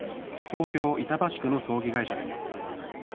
東京・板橋区の葬儀会社です。